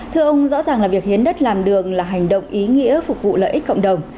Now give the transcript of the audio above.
thưa ông rõ ràng là việc hiến đất làm đường là hành động ý nghĩa phục vụ lợi ích cộng đồng